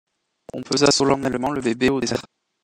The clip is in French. On pesa solennellement le bébé au dessert.